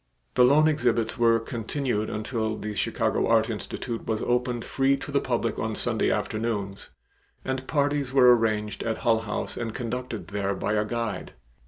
The loan exhibits were continued until the Chicago Art Institute was opened free to the public on Sunday afternoons and parties were arranged at Hull House and conducted there by a guide.